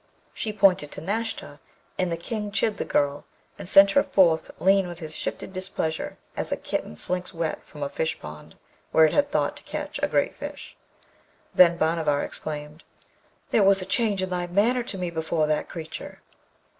She pointed to Nashta, and the King chid the girl, and sent her forth lean with his shifted displeasure, as a kitten slinks wet from a fish pond where it had thought to catch a great fish. Then Bhanavar exclaimed, 'There was a change in thy manner to me before that creature.'